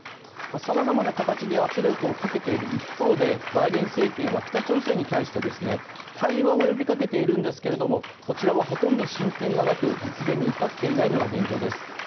さまざまな形で圧力をかけている一方でバイデン政権は北朝鮮に対して対話を呼び掛けているんですけどこちらはほとんど進展がなく実現に至っていないのが現状です。